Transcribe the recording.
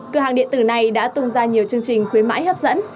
cửa hàng điện tử này đã tung ra nhiều chương trình khuyến mãi hấp dẫn